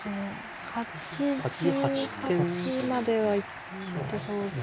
８８点まではいってそうですね。